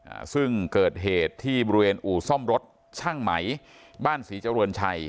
อ่าซึ่งเกิดเหตุที่บริเวณอู่ซ่อมรถช่างไหมบ้านศรีเจริญชัย